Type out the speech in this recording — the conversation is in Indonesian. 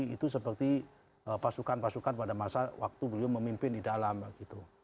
itu seperti pasukan pasukan pada masa waktu beliau memimpin di dalam gitu